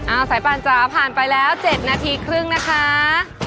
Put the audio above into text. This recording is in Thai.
เอาสายป่านจ๋าผ่านไปแล้ว๗นาทีครึ่งนะคะ